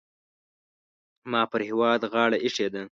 ما پر هېواد غاړه اېښې ده.